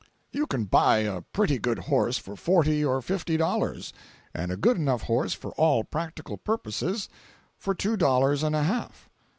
You can buy a pretty good horse for forty or fifty dollars, and a good enough horse for all practical purposes for two dollars and a half.